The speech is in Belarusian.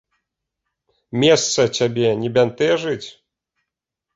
Месца цябе не бянтэжыць?